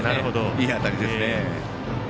いい当たりですね。